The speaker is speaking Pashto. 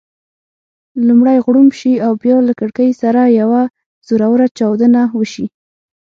لومړی غړومب شي او بیا له کړېکې سره یوه زوروره چاودنه وشي.